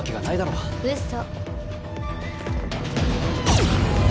うそ。